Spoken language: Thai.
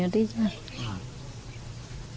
ใครเขาอยู่ในก็ยังไม่รู้เลย